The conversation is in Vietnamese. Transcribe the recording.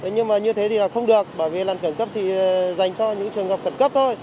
nhưng mà như thế thì là không được bởi vì làn khẩn cấp thì dành cho những trường hợp khẩn cấp thôi